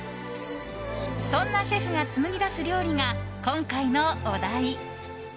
そんなシェフが紡ぎ出す料理が今回のお題。